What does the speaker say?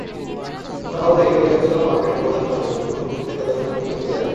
সকাল থেকেই অধিকাংশ মার্কেটের প্রধান ফটকে বিপুলসংখ্যক ক্রেতা-দর্শনার্থীকে ঢুকতে দেখা যায়।